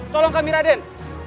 tolong kami raden